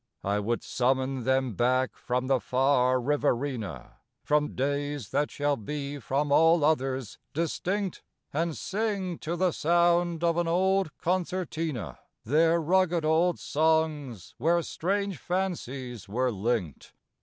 I would summon them back from the far Riverina, From days that shall be from all others distinct, And sing to the sound of an old concertina Their rugged old songs where strange fancies were linked.